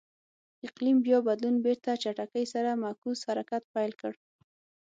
اقلیم بیا بدلون بېرته چټکۍ سره معکوس حرکت پیل کړ.